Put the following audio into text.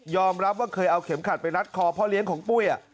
รับว่าเคยเอาเข็มขัดไปรัดคอพ่อเลี้ยงของปุ้ย